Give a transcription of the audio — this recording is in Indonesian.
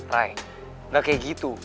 rai gak kayak gitu